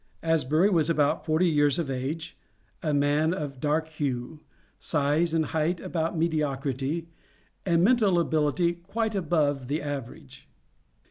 Asbury was about forty years of age, a man of dark hue, size and height about mediocrity, and mental ability quite above the average.